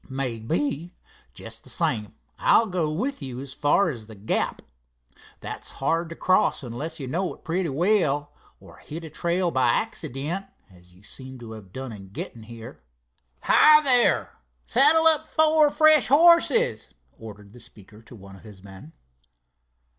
"Maybe. Just the same, I'll go with you as far as the gap. That's hard to cross unless you know it pretty well, or hit a trail by accident, as you seem to have done in getting here. Hi, there, saddle up four fresh horses," ordered the speaker to one of his men.